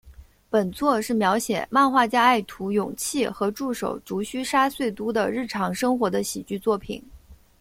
本作是描写漫画家爱徒勇气和助手足须沙穗都的日常生活的喜剧作品。